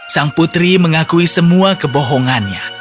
sang putri mengakui semua kebohongannya